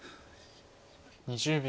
２０秒。